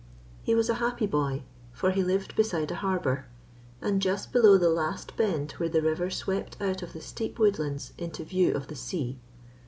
He was a happy boy, for he lived beside a harbour, and just below the last bend where the river swept out of steep woodlands into view of the sea.